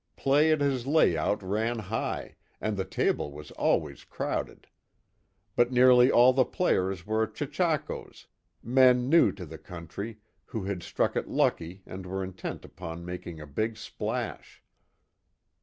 Play at his layout ran high, and the table was always crowded. But nearly all the players were chechakos men new to the country, who had struck it lucky and were intent upon making a big splash.